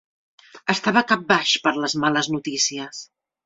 Estava capbaix per les males notícies.